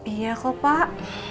iya kok pak